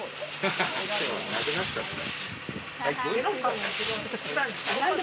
今日はなくなっちゃった。